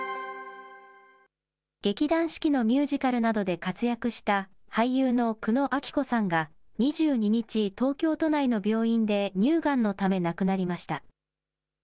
劇団四季のミュージカルなどで活躍した俳優の久野綾希子さんが２２日、東京都内の病院で乳がんのため、亡くなりました。